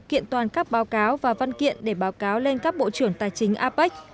kiện toàn các báo cáo và văn kiện để báo cáo lên các bộ trưởng tài chính apec